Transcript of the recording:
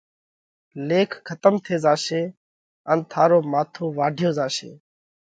ليک کتم ٿي زاشي ان ٿارو ماٿو واڍيو زاشي۔